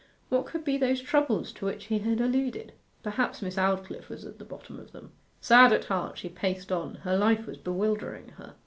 What could be those troubles to which he had alluded? Perhaps Miss Aldclyffe was at the bottom of them. Sad at heart she paced on: her life was bewildering her.